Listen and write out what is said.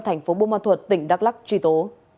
tp bô ma thuật tỉnh đắk lắc truy tố